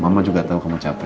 mama juga tahu kamu capek